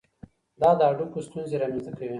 دا د هډوکو ستونزې رامنځته کوي.